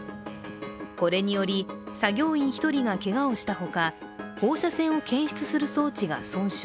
これにより作業員１人がけがをしたほか放射線を検出する装置が損傷。